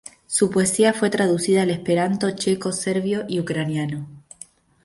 Su poesía fue traducida al esperanto, checo, serbio y ucraniano.